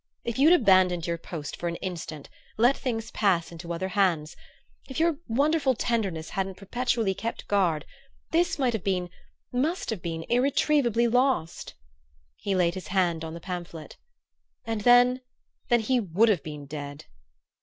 If you'd abandoned your post for an instant let things pass into other hands if your wonderful tenderness hadn't perpetually kept guard this might have been must have been irretrievably lost." He laid his hand on the pamphlet. "And then then he would have been dead!"